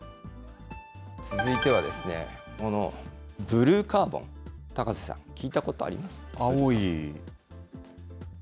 続いては、このブルーカーボン、高瀬さん、聞いたことあります？